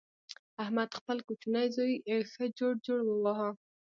احمد خپل کوچنۍ زوی ښه جوړ جوړ وواهه.